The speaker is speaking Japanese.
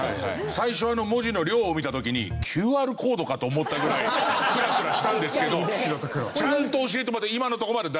最初の文字の量を見た時に「ＱＲコードか？」と思ったぐらいくらくらしたんですけどちゃんと教えてもらって今のとこまで大丈夫です。